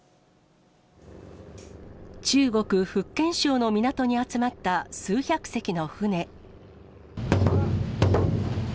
中国・福建省の港に集まった数百隻の船。